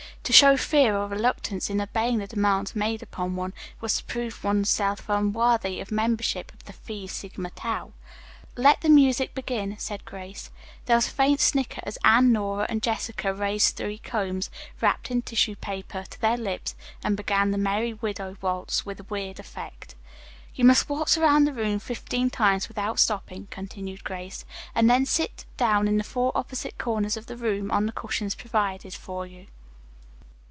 To show fear or reluctance in obeying the demands made upon one, was to prove one's self unworthy of membership in the Phi Sigma Tau. "Let the music begin," said Grace. There was a faint snicker as Anne, Nora and Jessica raised three combs, wrapped in tissue paper, to their lips and began the "Merry Widow" waltz, with weird effect. "You must waltz around the room fifteen times without stopping," continued Grace, "and then sit down in the four opposite corners of the room, on the cushions provided for you."